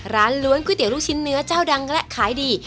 ล้วนก๋วยเตี๋ยลูกชิ้นเนื้อเจ้าดังและขายดี